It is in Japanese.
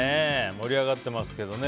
盛り上がってますよね。